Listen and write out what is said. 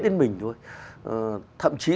đến mình thôi thậm chí